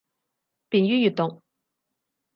便于阅读